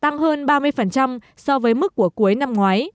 tăng hơn ba mươi so với mức của cuối năm ngoái